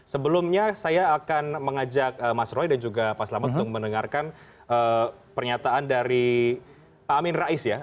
sebelumnya saya akan mengajak mas roy dan juga pak selamat untuk mendengarkan pernyataan dari pak amin rais ya